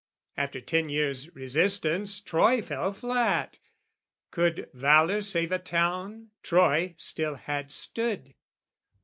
After ten years' resistance Troy fell flat: Could valour save a town, Troy still had stood.